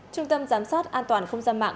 trung tâm giám sát an toàn không gian mạng